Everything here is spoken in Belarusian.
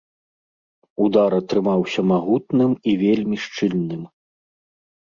Удар атрымаўся магутным і вельмі шчыльным.